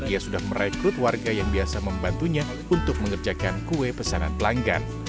ia sudah merekrut warga yang biasa membantunya untuk mengerjakan kue pesanan pelanggan